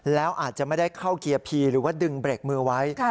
แล้วอาจจะไม่ได้เข้าเกียร์พีหรือว่าดึงเบรกมือไว้